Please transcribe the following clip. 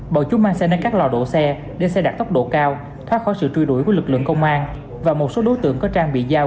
bọn chúng mang xe lên các lò đổ xe để xe đặt tốc độ cao thoát khỏi sự trui đuổi của lực lượng công an và một số đối tượng có trang bị giao